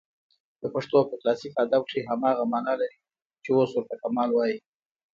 د پښتو په کلاسیک ادب کښي هماغه مانا لري، چي اوس ورته کمال وايي.